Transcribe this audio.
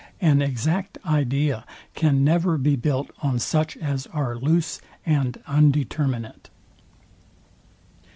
An exact idea can never be built on such as are loose and undetermined.